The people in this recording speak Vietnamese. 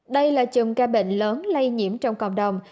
đây là chùm ca bệnh lớn lây nhiễm trong cộng đồng